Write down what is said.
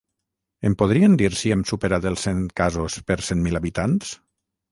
Em podrien dir si hem superat els cent casos per cent mil habitants?